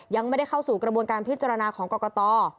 ยังไม่ได้เข้าสู่กระบวนการพิจารณาของกรกต